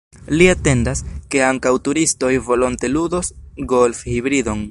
Li atendas, ke ankaŭ turistoj volonte ludos golfhibridon.